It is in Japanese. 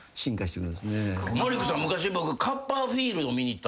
マリックさん僕。